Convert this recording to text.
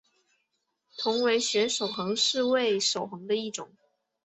同位旋守恒是味守恒的一种。